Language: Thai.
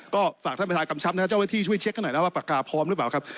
ก็ฝากท่านประธานกำชับนะครับเจ้าหน้าที่ช่วยเช็คกันหน่อยนะว่าปากกาพร้อมหรือเปล่าครับ